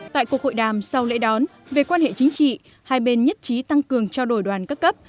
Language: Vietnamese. tại cuộc hội đàm sau lễ đón về quan hệ chính trị hai bên nhất trí tăng cường trao đổi đoàn các cấp